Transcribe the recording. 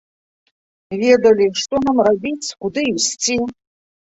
Ведалі, што нам рабіць, куды ісці.